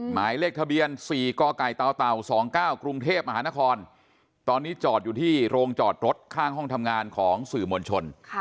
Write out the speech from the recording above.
หมายเลขทะเบียน๔กกต๒๙กรุงเทพมหานครตอนนี้จอดอยู่ที่โรงจอดรถข้างห้องทำงานของสื่อมวลชน